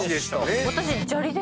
私。